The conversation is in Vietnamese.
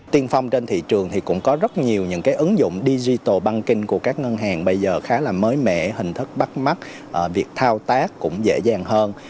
tiên phong trên thị trường thì cũng có rất nhiều những cái ứng dụng digital banking của các ngân hàng bây giờ khá là mới mẻ hình thức bắt mắt việc thao tác cũng dễ dàng hơn